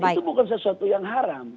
karena itu bukan sesuatu yang haram